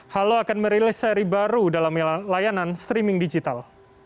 halo akan merilis seri baru dalam layanan streaming digital